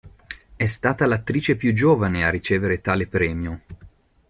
È stata l'attrice più giovane a ricevere tale premio.